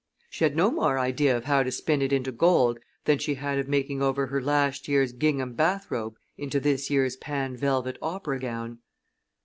She had no more idea of how to spin it into gold than she had of making over her last year's gingham bath robe into this year's panne velvet opera gown.